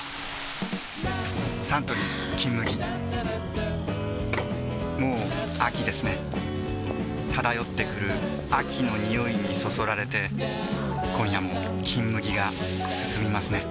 サントリー「金麦」もう秋ですね漂ってくる秋の匂いにそそられて今夜も「金麦」がすすみますね